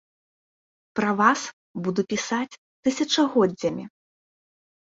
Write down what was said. Пра вас буду пісаць тысячагоддзямі.